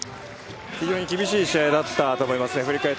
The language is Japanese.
非常に厳しい試合だったと思います。